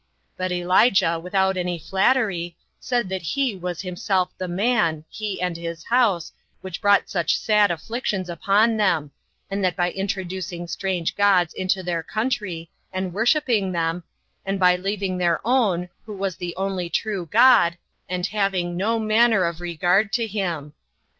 But Elijah, without any flattery, said that he was himself the man, he and his house, which brought such sad afflictions upon them, and that by introducing strange gods into their country, and worshipping them, and by leaving their own, who was the only true God, and having no manner of regard to him.